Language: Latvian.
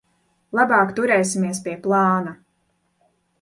Labāk turēsimies pie plāna.